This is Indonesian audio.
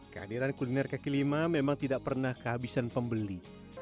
kehadiran kuliner kaki lima memang tidak pernah kehabisan pembeli